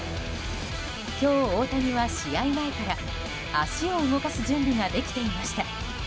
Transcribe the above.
今日、大谷は試合前から足を動かす準備ができていました。